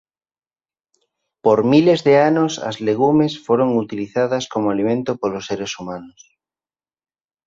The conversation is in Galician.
Por miles de anos as legumes foron utilizadas como alimento polos seres humanos.